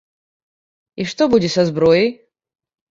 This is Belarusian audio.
І што будзе са зброяй?